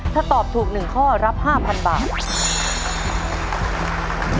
ถ้าตอบถูก๑ข้อรับ๕๐๐๐บาท